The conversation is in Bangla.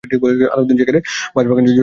আলাউদ্দিন শেখ এর বাঁশ বাগান, জয়ন্তী হাজরা।